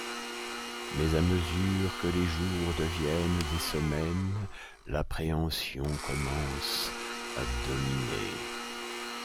Mais à mesure que les jours deviennent des semaines, l'appréhension commence à dominer.